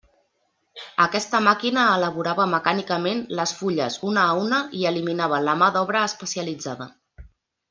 Aquesta màquina elaborava mecànicament les fulles una a una i eliminava la mà d'obra especialitzada.